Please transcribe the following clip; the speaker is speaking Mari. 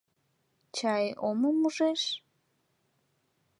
Чай, омым ужеш?